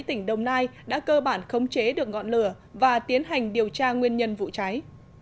tỉnh đồng nai đã cơ bản khống chế được ngọn lửa và tiến hành điều tra nguyên nhân vụ cháy